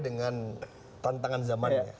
dengan tantangan zaman